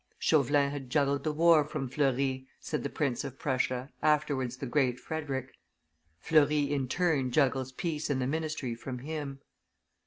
"Chauvelin had juggled the war from Fleury," said the Prince of Prussia, afterwards the great Frederick; "Fleury in turn juggles peace and the ministry from him."